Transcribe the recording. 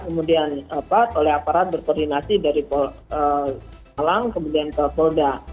kemudian oleh aparat berkoordinasi dari pemalang kemudian ke boda